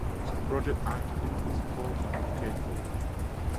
The project architect was Paul Cayford.